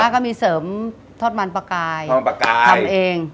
ป้าก็มีเสริมทอดมันปลากายทำเอง